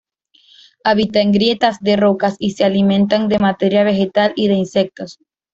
Habita en grietas de rocas y se alimenta de materia vegetal y de insectos.